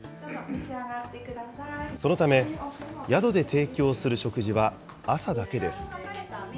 そのため、宿で提供する食事は朝だけです。